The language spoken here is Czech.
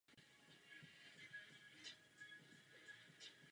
Poté se vydal jako misionář do jižní Afriky šířit evangelium mezi africké obyvatelstvo.